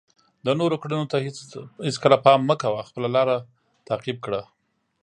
د نورو کړنو ته هیڅکله پام مه کوه، خپله لاره تعقیب کړه.